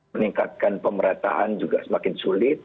meningkatkan pemerataan juga semakin sulit